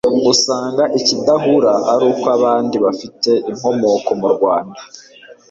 usanga ikidahura ari uko abandi bafite inkomoko mu Rwanda